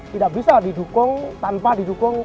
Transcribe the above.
tidak bisa didukung tanpa didukung